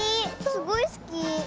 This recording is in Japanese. すごいすき。